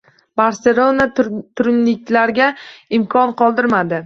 “Barselona” turinliklarga imkon qoldirmadi